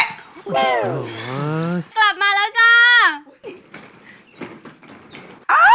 กลับมาแล้วจ้า